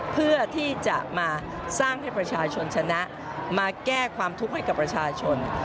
เพื่อที่จะมาสร้างให้ประชาชนชนะมาแก้ความทุกข์ให้กับประชาชน